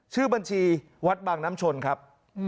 ชื่อบัญชีวัดบางน้ำชนครับ